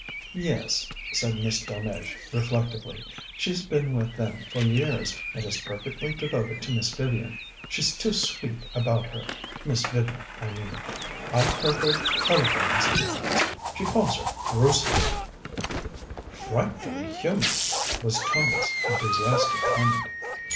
"Yes," said Miss Delmege reflectively. "She's been with them for years, and is perfectly devoted to Miss Vivian. She's too sweet about her Miss Vivian, I mean. I've heard her telephoning sometimes; she calls her Brucey." "Frightfully human!" was Tony's enthusiastic comment.